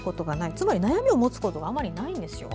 つまり悩みを持つことがあまりないんですよ。